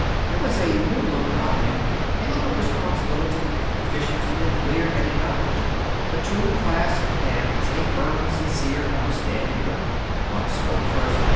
There was a new look about him a look of responsibility, of efficiency, of clear headed knowledge. The two clasped hands a firm, sincere, understanding grip. Buck spoke first.